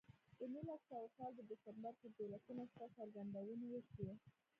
د نولس سوه کال د ډسمبر پر دولسمه شپه څرګندونې وشوې